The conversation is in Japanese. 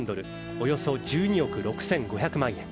およそ１２億６５００万円。